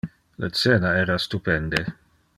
Le cena era stupende.